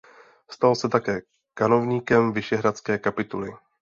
Stal se také kanovníkem vyšehradské kapituly.